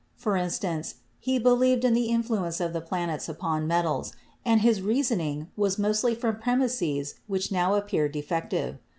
For instance, he believed in the influence of the planets upon the metals, and his reasoning was mostly from premises which now appear defective.